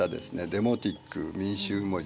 デモティック民衆文字。